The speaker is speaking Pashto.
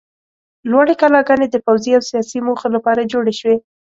لوړې کلاګانې د پوځي او سیاسي موخو لپاره جوړې شوې.